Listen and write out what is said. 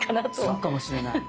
そうかもしれない。